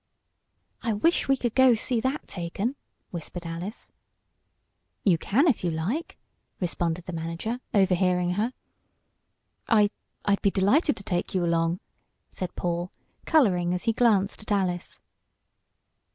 "I wish we could go see that taken," whispered Alice. "You can, if you like," responded the manager, overhearing her. "I I'll be delighted to take you along," said Paul, coloring as he glanced at Alice.